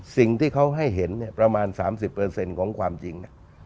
สิ่งที่เขาให้เห็นประมาณ๓๐ของความจริง